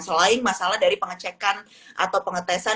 selain masalah dari pengecekan atau pengetesan